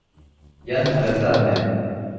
Yann traversa la mer.